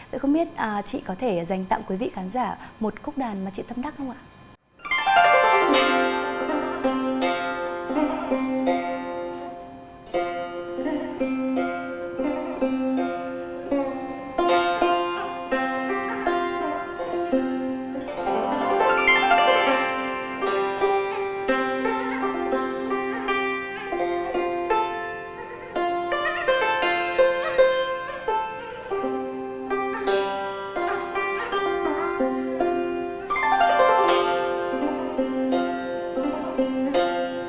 vậy không biết chị có thể dành tặng quý vị khán giả một khúc đàn mà chị tâm đắc không ạ